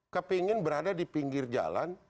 kepingin berada di pinggir jalan